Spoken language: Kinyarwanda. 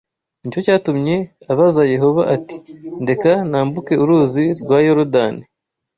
Ni cyo cyatumye abaza Yehova ati ndeka nambuke Uruzi rwa Yorodani